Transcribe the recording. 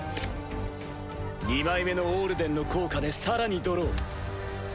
２枚目のオールデンの効果でさらにドロー。